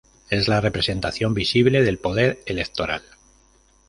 Es la representación visible del Poder Electoral.